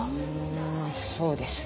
まあそうですね。